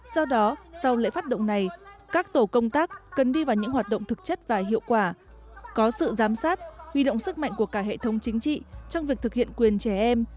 do đó sau lễ phát động này các tổ công tác cần đi vào những hoạt động thực chất và hiệu quả có sự giám sát huy động sức mạnh của cả hệ thống chính trị trong việc thực hiện quyền trẻ em